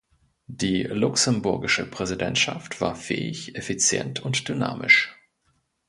Die luxemburgische Präsidentschaft war fähig, effizient und dynamisch.